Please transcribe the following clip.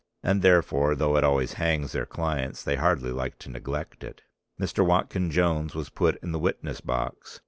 And therefore though it always hangs their clients they hardly like to neglect it. Mr. Watkyn Jones was put in the witness box.